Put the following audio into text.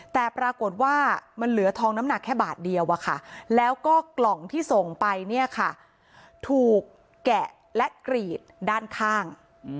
แต่ปรากฏว่ามันเหลือทองน้ำหนักแค่บาทเดียวแล้วก็กล่องที่ส่งไปเนี่ยค่ะถูกแกะและกรีดด้านข้าง